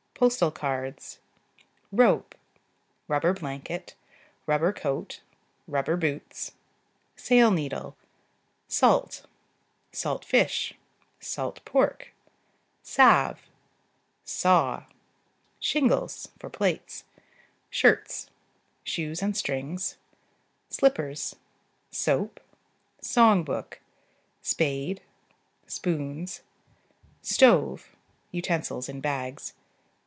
Postal cards. Rope. Rubber blanket. " coat. " boots. Sail needle. Salt. " fish. " pork. Salve. Saw. Shingles (for plates). Shirts. Shoes and strings. Slippers. Soap. Song book. Spade. Spoons. Stove (utensils in bags).